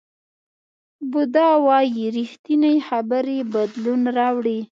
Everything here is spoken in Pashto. بودا وایي ریښتینې خبرې بدلون راوړي.